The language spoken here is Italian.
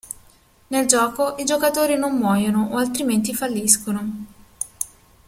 Nel gioco, i giocatori non muoiono o altrimenti falliscono.